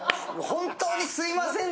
本当にすいません